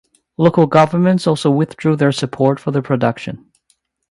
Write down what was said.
Local governments also withdrew their support for the production.